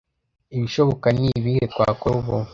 Ibishoboka ni ibihe twakora ubu